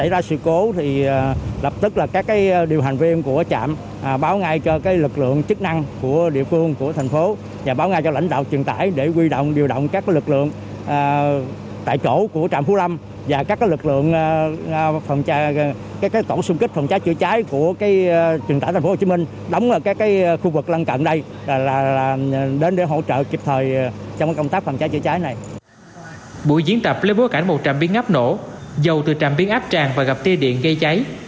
buổi diễn tập lấy bối cảnh một trạm biến áp nổ dầu từ trạm biến áp tràn và gặp tê điện gây cháy